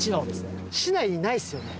市内にないっすよね？